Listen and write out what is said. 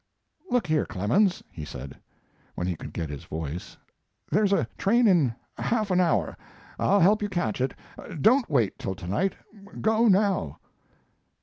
"Look here, Clemens," he said, when he could get his voice. "There's a train in half an hour. I'll help you catch it. Don't wait till to night. Go now."